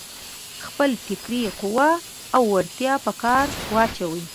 خپله فکري قوه او وړتيا په کار واچوي.